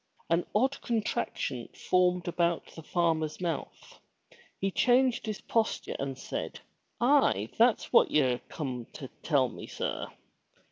'* An odd contraction formed about the farmer's mouth. He changed his posture and said, Aye, that's what ye're come to tell me, sir!